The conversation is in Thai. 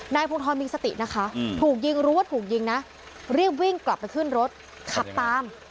นายพงธรมีสตินะคะถูกยิงรู้ว่าถูกยิงนะรีบวิ่งกลับไปขึ้นรถขับตาม